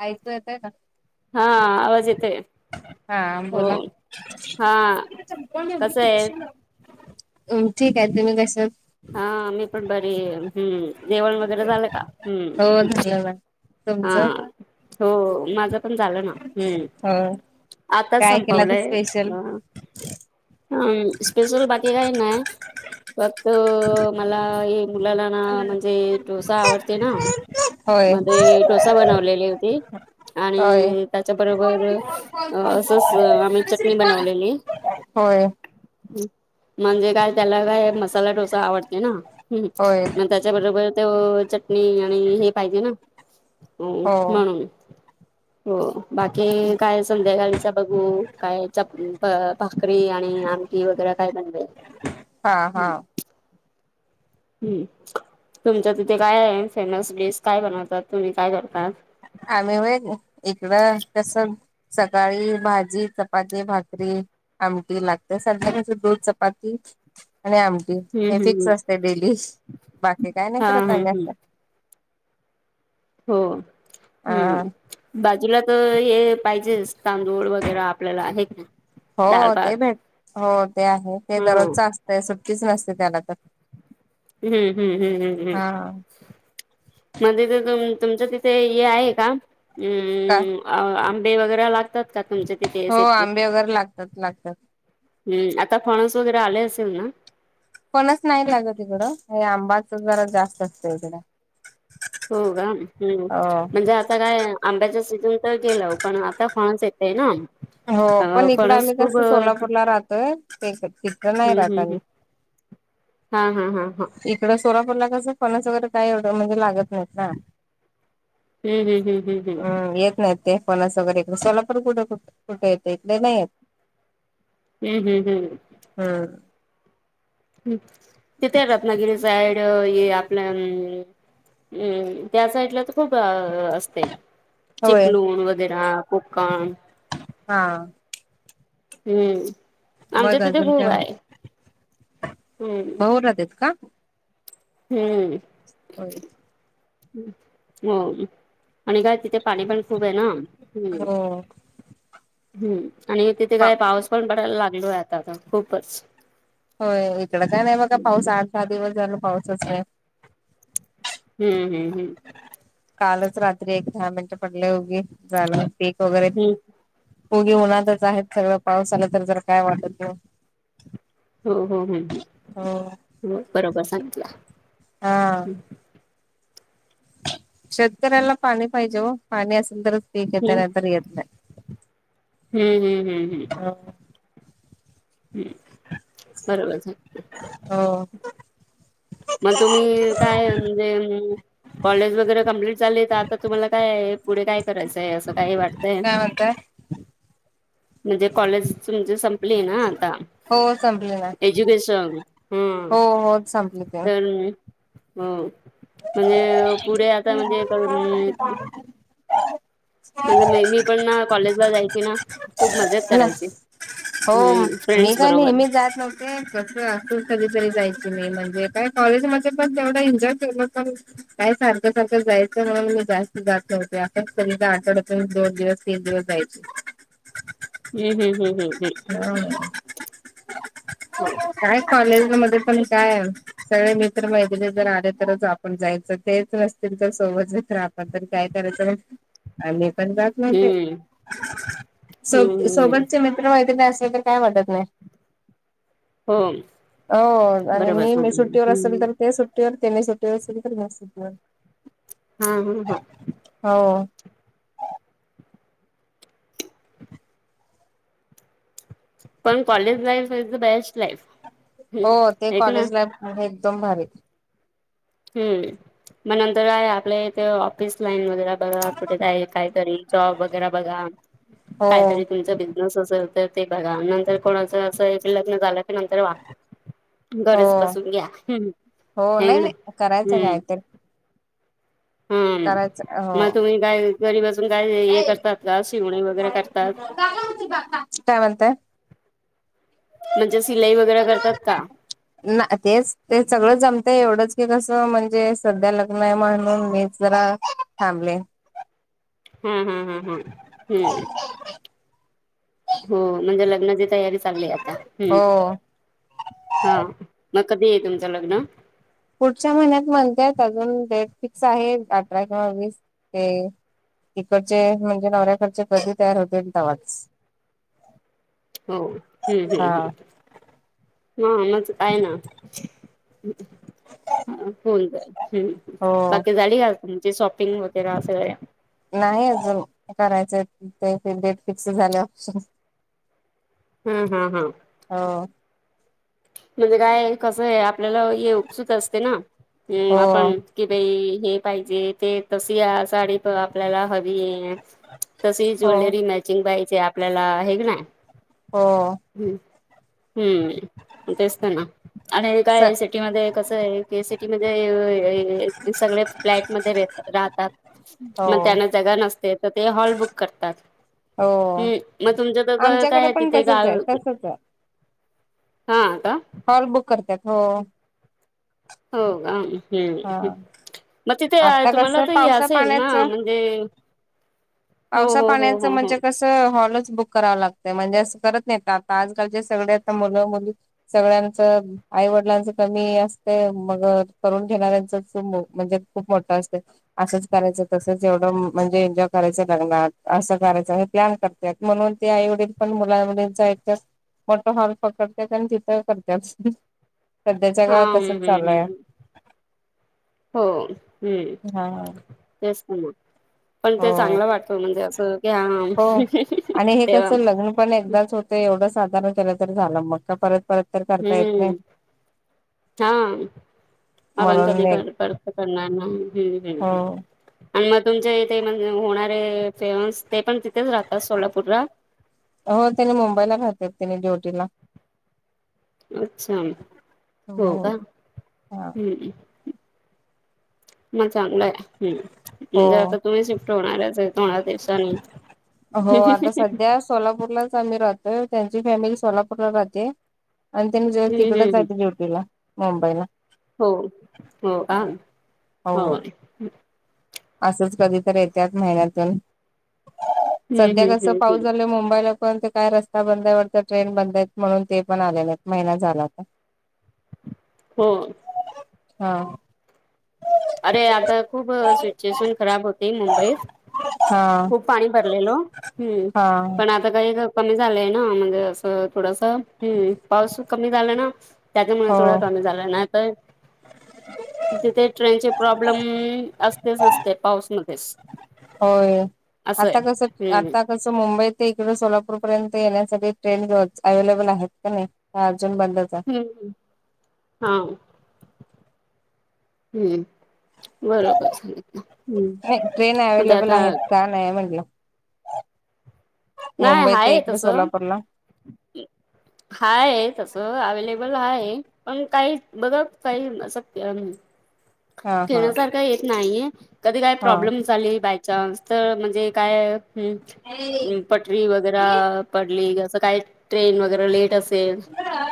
ऐचू येतय ना हा आवाज येतय हा आबोलला हा कसं आहे म ठीक आहे तुम्ही कस हा मी पण बरी हम्म जवण वगैरे झालं का हम्म हो हा तुमचं हो माझं पण झालं ना हम्म होय. आताच काय केलं होत संपवलंय स्पेशल? हम स्पेशल बाकी काही नाही फक्त मला हे मुलाला ना म्हणजे डोसा आवडते ना होय मध्ये डोसा बनवलेली होती होय. आणि त्याच्याबरोबर असच आम्ही चटणी बनवलेली होय म्हणजे काय त्याला काय मसाला डोसा आवडते ना म होय त्या त्याच्या बरोबर ते चटणी आणि हे पाहिजे ना हो म्हणून हो बाकी काय संध्याकाळीचा बघू काय च भाकरी आणि आमटी वगैरे काय बनवेल हा हा चम हम्म तुमच्या तिथे काय आहे फेमस डिश काय बनवतात तुम्ही काय करता? आम्ही व इकडं कस. सकाळी भाजी, चपाती, भाकरी. आमटी लागते सध्या म्हणजे दूध चपाती आणि आमटी. हे हम्म हम्म हम्म फिक्स असते डेली बाकी काय नाही हा करत हम्म आम्ही हम्म असं. हो अ ह् बाजूला तर हे. पाहिजे तांदूळ वगैरे आपल्याला आहेत ना दाळ हो ते भात. भेट हो ते आहे ते हम्म दररोजच असतंय सुट्टीच नसते त्याला तर. हम्म हम्म हम्म हम्म हा. हम्म मध्ये तरु तुमच तिथे हे आहे का का अम अ आंबे वगैरे लागतात का तुमच्या तिथे हो आंबे वगैरे लागतात लागतात हम् आता फणस वगैरे आले असेल ना पणच नाही लागत तिकडं आंबाच जरा जास्त असत तकड हो का ह् म्हणजे आता काय आंब्याचा सीझन तर गेलं पण आता फणच य ते ना हो अ पण इकडे फणस आम्ही कस खूप सोलापूरला राहतोय ते, नाही हम्म राहत हम्म आम्ही हम्म हा हा हा हा इकडं सोलापुरला कस फनस वगैरे काय एवढं म्हणजे लागत नाहीत ना. हम्म हम्म हम्म हम्म हमं येत नाही. ते फनस वगरे कला पण कुठे कु कुठे येते इकडे नाही येत. हम्म हम हम् हम्म ह तिथे रत्नागिरी साईड ये आपल्या. हम्म त्या साइडला तर खूप असते. होय चिपलूण वगैरे कोकम. हा हम्म आमच्या मग तिथे अजून खूप काय आहे म्हणते हम्म. भाऊ का हम्म हो हो आणि का तिथे पाणी पण खूप आहे ना. हम्म हो हम्म आणि तिथे पा काय पाऊस पण पडायला लागलो आहे‌. आताता खूपच. होय इकड काय नाही बघ पाऊस आठ दहा दिवस झाल पाऊसच नाही. हम्म हम्म हम् कालच रात्री एक दहा मिनट पडले उगी जालं पीक वगैरे. हम्म पोगे उन्हातच आहेत सगळं पाऊस आलं तर जर काय वाटत. हो हो हो हो बरोबर सांगितलं. हा शेतकऱ्याला पाणी पाहिजे हो पाणी असेल तरच पीक हम्म येतनंतर येत नाही. हम्म हम्म हम हम्. ह हम् बरोबर. हो मग तुम्ही काय म्हणजे. कॉलेज वगैरे कम्प्लीट झाली तर आता तुम्हाला काय पुढे काय करायचंय असं काही वाटत. काय म्हणताय म्हणजे कॉलेज म्हणजे संपली ना आता. हो संपली ना एज्युकेशन हा. हो हो संपली ते हो म्हणजे पुढे आता म्हणजे. म्हणजे म मी पण ना कॉलेजला जायची ना. खूप मजेत ना करायची हो हम्म मी फ्रेंड्स काय बरोबर नेहमी जात ना ते कस तू कधीतरी जायची नाही म्हणजे काय कॉलेजमध्ये पण तेवढा एन्जॉय केलं पण काय सारखं सारखं जायचं म्हणून मी जास्त जात नव्हते असचं कधी तरी आठवडयातुन दोन दिवस ते दिवस जायचे. हम् हम हम् हम हम हो हो. काय कॉलेज मध्ये पण काय सगळे मित्र मैत्रीनी जर आले तरच आपण जायचं तेच नसतील सोबत आपण पण काय करायचं हे आम्ही पण जात नाही ते हम्म स हम्म हम्म सोबतचे मित्र मैत्रिणी असेल तर काय वाटत नाही. हो हो बरोबर आणि मी सांगितलं सुट्टीवर असल हम्म तर ते सुट्ट- सपटोबर तेनीस सप्टोबर सर हम् हम् हम हो पण college life's the best life. हो हम्म ते हे का ना कॉलेज लाईफ एकदम भारी हम्म मग नंतर आहे आपल्या इथे ऑफिस लाईन वगैरे बघा कुठे जाईल काहीतरी जॉब वगैरे बघा. हो कायतरी तुमचं असचं तर ते बघा नंतर कोणाचं असं लग्न झालं की नंतर वा हो घरीच बसून घ्या हो नाही ग ना नाही करायचं कायतर हा करायचं हो मग तुम्ही काय घरी बसून काय हे करतात का शिवणी वगैरे करतात काय म्हणताय? म्हणजे सिलाई वगैरे करतात का? ना तेच ते सगळं जमतय एवढंच की कसं म्हणजे सध्या लग्न आहे म्हणून मी जरा थांबले. हम्म हम्म हम् हम् हम्म हो म्हणजे लग्नाचे तयारी चालली आता. हो हा मग कधी आहे तुमचं लग्न? पुढच्या महिन्यात म्हणतेत अजून डेट फिक्स आहे अठरा किंवा वीस ते इकडचे म्हणजे नवऱ्याकडचे कधी तयार होतील तवाच हो हम्म हम्म हा. हम्म ह मग काय ना हून जाईल. हो बाकी झाली का तुमची शॉपिंग वगैरे असे नाही अजून करायचंय. डेट फिक्स झाले ऑप्शन हम्म हम् हम हो म्हणजे काय कस आहे आपल्याला हे उपसुत असते ना अ हो आपण कि बाई हे पाहिजे ते तस साडी आपल्याला हवी आहे. तशी हो ज्वेलरी मॅचिंग पाहिजे आपल्याला आहे की नाय हो हम् हम्म तेस्तना आणि स काय सिटी मध्ये कसं आहे की सिटी मध्ये सगळे फ्लॅट मध्ये र राहतात हो मग त्यांना जगा नसते तर ते हॉल बुक करतात. हो हम्म मग तुमचं तर गळ काय आमच्याकडे आहे पण तिथे तसच गाळ आहे तसच आहे हा अ का हॉल बुक करतात हो. हो का हा हम् मग तिथे आता तुम्हाला कसं तर पावसा असेल ना पाण्याचं म्हणजे हो पावसा हो हो पाण्याचं हो हो म्हणजे कस हॉलच बुक कराव लागतय म्हणजे असं करत नाही आता आजकालचे सगळे आ मुलं मुली सगळ्यांचं आई वडिलांच कमी असते मग करून घेणाऱ्यांच म्हणजे खूप मोठा असते असंच करायचं तसंच एवढं म्हणजे एन्जॉय करायचं लग्ना असं करायचं प्लॅन कर त्यात म्हणून ते आई वडील पण मुलांमंच आहेत मोठ हॉल पकडत आणि तिथं करत सध्याच्या हा गावात तस हम्म हम्म चालूय हम्म हो हम् हा तेच ना मग पण ते हो चांगलं वाटतो म्हणजे असं की हो हा आणि हे तेव्हा कसं लग्न पण एकदाच होते एवढं साधारण केलं तर झालं मग का परत परत तर करता येत नाही हम्म हा आप आपण म्हणून कधी एक कर कत करणार नाही हम्म हो हम्मम् आणि मग तुमचे इथे म्हण होणारे फेमस ते पण तिथेच राहतात सोलापूरला हो त्यानी मुंबईला राहतेत त्यानी ड्युटीला अच्छा हो का बर हा हम् मग चांगलं आहे हम हो म्हणजे आता तुम्ही शिफ्ट होणारच आहे. ह दिवसाान हो आता सध्या सोलापूरलाच आम्ही राहतोय त्यांची फॅमिली सोलापूरला राहते आणि त्यांने हम्म तिकडच हम्म आहे ड्युटीला मुंबईला हो हो का हो असंच कधी तर येत्यात महिन्यातून हम्म सध्या हम्म कस हम्म पाऊस हम्म झाल मुंबईला पण ते काय रस्ता बंद आहेवत ट्रेन बंद आहेत म्हणून ते पण आलेले आहेत महिना झाला तर हो हा अरे आता खूप सिच्युएशन खराब होती मुंबईत हा खूप पाणी भरलेलो हम्म हा पण आता आता काही कमी झालंय ना म्हणजे असं थोडस हम् पाऊस कमी झाला ना त्याच म्हण हो थोडा कमी झाला ना आ तर तिथे ट्रेनचे प्रॉब्लेम असतेच असते पाऊसमध्येध्येच होय आता कस हम्म आता तसं मुंबई ते इकडे सोलापूर पर्यंत येण्यासाठी ट्रेन अवलेबल आहेत का नाही हा अर्जुून बंदच ह् हा हम्म बरोबर सग नाही ट्रेन अव्लेबल आहेत का नाही म्हटलं नाही मुंबई ते आहे एककडे तसं सोलापूर ला हाय तस अवेलेबल हाय पण काही बघत काही न सक्य आम्ही हा हा ठेण्यासारखा येत नाहीये कधी काय हा प्रॉब्लेम झालेली बाईक चां तर म्हणजे काय ह् पटरी वगैरे पडलीसं काय ट्रेन वगैरे लेट अस ते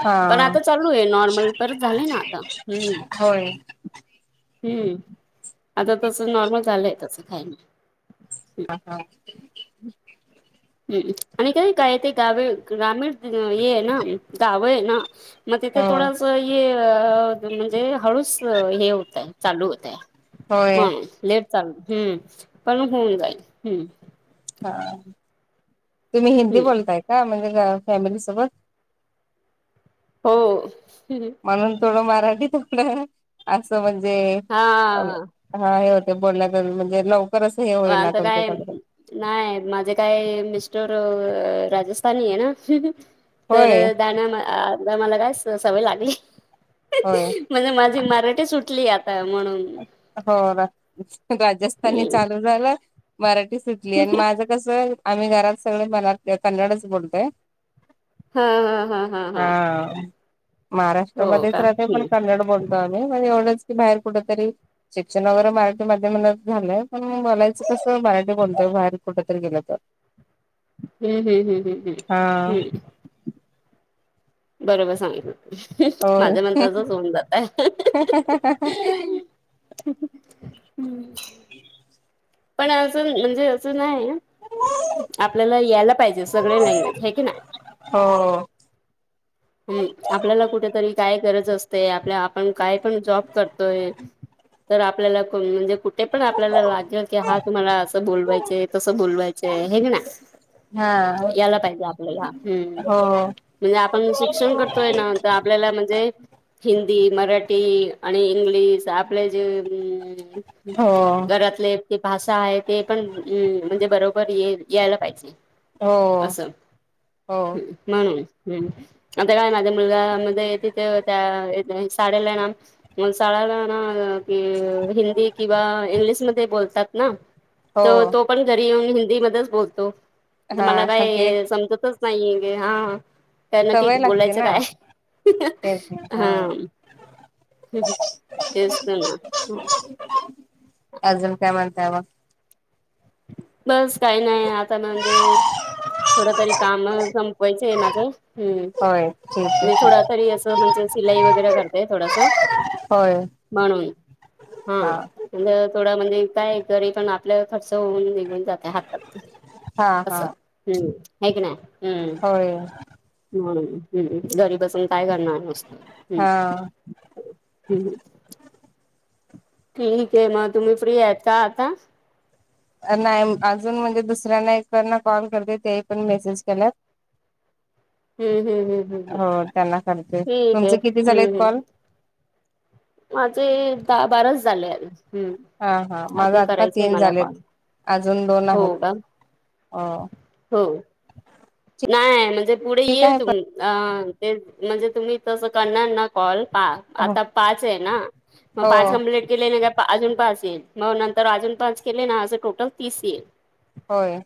हा पण आता चालू आहे नॉर्मल परत झाले ना आता ह् होय हम्म आता तस नॉर्मल झालंय तस खायन ह हा हम्म आणि काही काय ते गावी ग्रामीण हे आहे ना गाव आहे ना मग तिथे हो थोडास म्हणजे हळूस हे होतय चालू होतय होय म लेट चालू हम्म पण होऊन जाईल हम्म हा तुम्ही हिंदी हम्म बोलताय का म्हणजे फॅमिली सोबत हो म्हणून थोडं मराठीतथडं असं म्हणजे हा हा हे होते बोलण्या म्हणजे लव वाता काय नाही माझे काय मिस्टर राजस्थानी आहे ना तर होय दण्या मला काय सवय लागली हो म्हणजे माझी मराठी सुटली आता म्हणून हो राजस्थानी हम्म चालू झालं मराठी सुटली आणि माझ कस आम्ही घरात सगळे मराठी कन्नडच बोलतोय हा हा हा हा हा ह हो महाराष्ट्रमध्येध्येच का राहते पण हम्म क्ड बोलतो आम्ही म एवढंच की बाहेर कुठ तरी शिक्षण वगैरे मराठी माध्यमला झालंय पण बलायचं कसं मराठी बोलतोय बाहेर कुठेतरी गेलं तर हम्म हम्म हम्म हम्म हा हम्म हम्म बरोबर सांगित माझ्या होय मण्रचाच होऊन जातय हम्म पण अं म्हणजे असं नाही आपल्याला यायला पाहिजे सगळे लँग्वेज आहे की नाही हो हम आपल्याला कुठेतरी काय गरज असते आपल्या आपण काय पण जॉब करतोय तर आपल्याला म्हणजे कुठ ते पण आपल्याला लागेल की हा तुम्हाला असं बोलवायच तसं बोलवायचंय हेंग ना हा. यायला पाहिजे आपल्याला हम्म हो. म्हणजे आपण शिक्षण करतोय नांत आपल्याला म्हणजे हिंदी मराठी आणि इंग्लिश आपले जे हो घरातले ते भाषा आहे ते पण म्हणजे बरोबर ये यायला पाहिजे हो अस हो म्हणून् आता काय माझ मुलगा म येतथ त्या शळेला आहे ना शडला ना हिंदी किंवा इंग्लिशमध्ये बोलतात ना हो तर तो तो पण घरी येऊन हिंदी मध्येच बोलतो हा मला ते काय समजतच नाहीे हा ह कर ना क सवय लागते बोलायचं ना काय तेच ना हा ह तेस्तना ह अजम काय म्हणताव बस काही नाही आता म्हणजे थोडं तरी काम संपवायचं आहे माझं हम्म होय ठीक मी आहे थोडा तरी असं म्हणजे सिलाई वगैरे करतेय थोडासा होय म्हणून हा म्ह थोडं म्हणजे काय घरी पण आपल्या खर्च जऊन निघून जाते हातात हा हा असं हम्म हेक नाही हम्म हो हम हम्म घरी बसून काय करणार नुसतं हा हम् ह् ठीक आहे मग तुम्ही फ्री याता आता नाही अजून म्हणजे दुसऱ्यांना एकना कॉल करते तेही पण मेसेज केल्या हम्म हम् हम् हम् हम् हो त्यांना करते ठीक आहे तुमचे किती झालेत हम्म हम् कॉल माझे दहा बाराच झाले ह् हा हा माझ आत्ता तीन झालेत अजून दोन आहेत हो का अ हो नाही म्हणजे पुढे ठीक येईल आहे तुम अ ते म्हणजे तुम्ही तसं करणार ना कॉल पाहा हो आता पाच है ना मग पाच हो कंप्लेट केले का अजून पाच येईल मग नंतर अजून पाच केले ना माझं टोटल तीस येईल होय